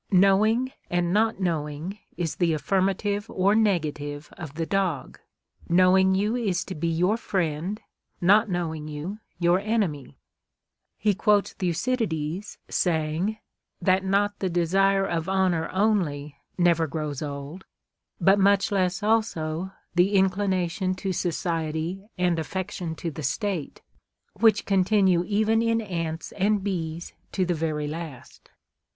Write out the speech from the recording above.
" Knowing and not knowing is the affirmative or negative of the dog ; knowing you is to be your friend ; not knowing you, your enemy." He quotes Thucydides, saying, "that' not the desire of honor only never grows old, but much less also the inclination to society and affection to the State, which continue even in ants and bees to the very last."